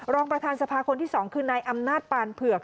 รองประธานสภาคนที่๒คือนายอำนาจปานเผือก